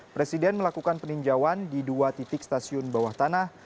presiden melakukan peninjauan di dua titik stasiun bawah tanah